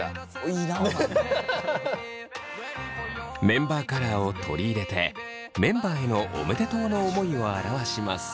メンバーカラーを取り入れてメンバーへのおめでとうの思いを表します。